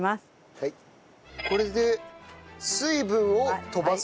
これで水分を飛ばす。